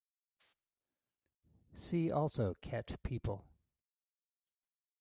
See also Ket people.